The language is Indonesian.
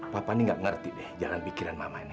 papa ini gak ngerti deh jalan pikiran mama ini